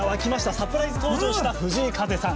サプライズ登場した藤井風さん。